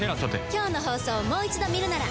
今日の放送をもう一度見るなら。